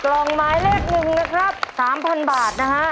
กล่องหมายเลขหนึ่งนะครับสามพันบาทนะฮะ